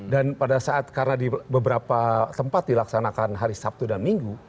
dan pada saat karena di beberapa tempat dilaksanakan hari sabtu dan minggu